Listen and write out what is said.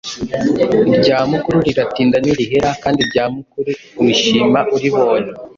Irya mukuru riratinda ntirihera kandi irya mukuru urishima uribonye.